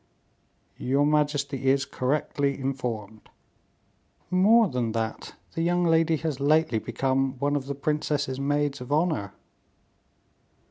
"Your majesty is correctly informed." "More than that, the young lady has lately become one of the princess's maids of honor."